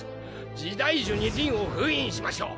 時代樹にりんを封印しましょう！！